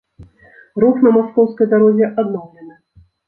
Рух на маскоўскай дарозе адноўлены.